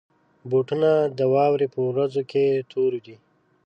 بوټونه د واورې پر ورځو کې تور وي.